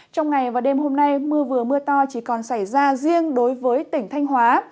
trong ngày và đêm hôm nay mưa vừa mưa to chỉ còn xảy ra riêng đối với tỉnh thanh hóa